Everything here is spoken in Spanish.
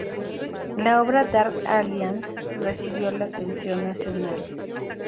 La obra "Dark Alliance" recibió la atención nacional.